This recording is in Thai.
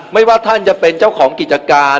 ว่าท่านจะเป็นเจ้าของกิจการ